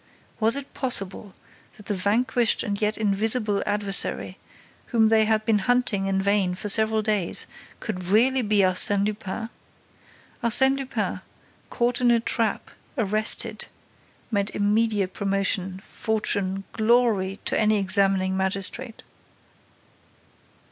Was it possible that the vanquished and yet invisible adversary, whom they had been hunting in vain for several days, could really be Arsène Lupin? Arsène Lupin, caught in a trap, arrested, meant immediate promotion, fortune, glory to any examining magistrate!